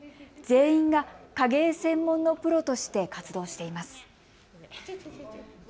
全員が影絵専門のプロとして活動しています。